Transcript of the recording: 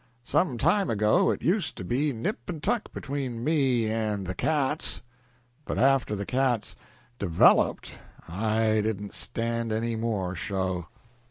Some time ago it used to be nip and tuck between me and the cats, but after the cats 'developed' I didn't stand any more show."